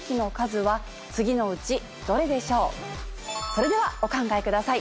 それではお考えください。